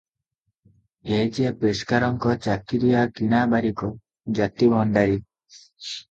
ଏ ଯେ ପେସ୍କାରଙ୍କ ଚାକିରିଆ କିଣା ବାରିକ, ଜାତି ଭଣ୍ଡାରି ।